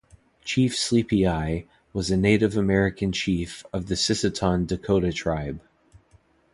Chief Sleepy Eye, was a Native American chief of the Sisseton Dakota tribe.